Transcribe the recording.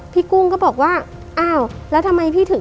กุ้งก็บอกว่าอ้าวแล้วทำไมพี่ถึง